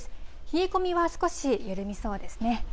冷え込みは少し緩みそうですね。